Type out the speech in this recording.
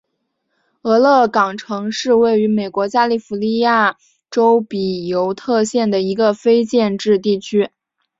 俄勒冈城是位于美国加利福尼亚州比尤特县的一个非建制地区。